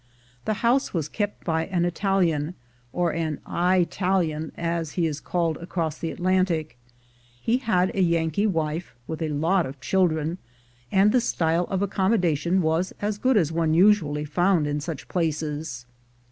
The house was kept by an Italian, or an "Eyetalian," as he is called across the Atlantic. He had a Yankee wife, with a lot of children, and the style of accommodation was as good as one usually found in such places.